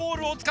お！